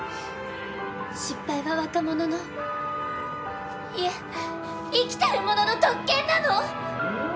失敗は若者のいえ生きてる者の特権なの！